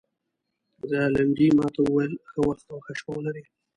رینالډي ما ته وویل: ښه وخت او ښه شپه ولرې.